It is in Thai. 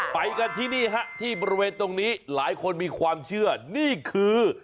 ไปกันที่นี่ฮะที่บริเวณตรงนี้หลายคนมีความเชื่อนี่คือ